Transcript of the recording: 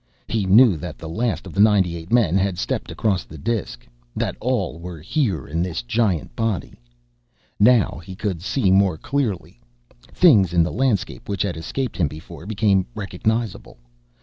He knew that the last of the ninety eight men had stepped across the disk, that all were here in this giant body. Now he could see more clearly. Things in the landscape, which had escaped him before, became recognizable.